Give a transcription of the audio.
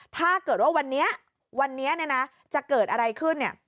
ถ้าเกิดว่าวันนี้วันนี้เนี่ยนะจะเกิดอะไรขึ้นเนี่ย